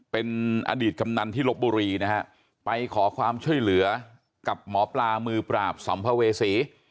เป็นอดีตกำนันที่ลบบุรีนะฮะไปขอความช่วยเหลือกับหมอปลามือปราบสัมภเวษี